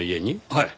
はい。